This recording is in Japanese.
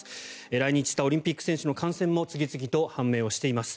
来日したオリンピック選手の感染も次々と判明をしています。